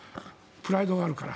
プライドがあるから。